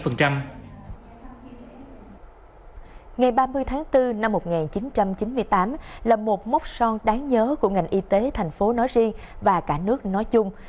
ngày ba mươi tháng bốn năm một nghìn chín trăm chín mươi tám là một mốc son đáng nhớ của ngành y tế thành phố nói riêng và cả nước nói chung